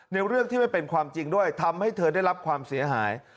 เรื่องที่ไม่เป็นความจริงด้วยทำให้เธอได้รับความเสียหาย